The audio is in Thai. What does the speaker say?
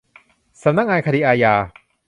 สำนักงานคดีอาญา